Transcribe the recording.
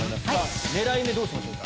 狙い目どうしましょうか？